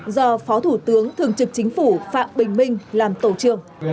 do phó thủ tướng thường trực chính phủ phạm bình minh làm tổ trưởng